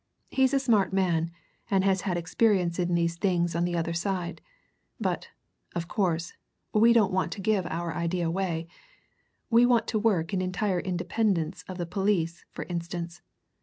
He's a smart man, and has had experience in these things on the other side. But, of course, we don't want to give our idea away. We want to work in entire independence of the police, for instance.